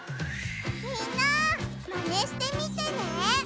みんなマネしてみてね！